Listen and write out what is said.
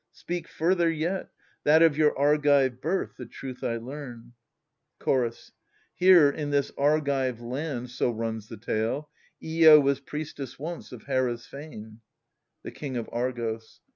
Speak further yet, That of your Argive birth the truth I learn. Chorus. " Here in this Argive land — so runs the tale— r ^ lo was priestess once of Hera's fane. The King of Argos.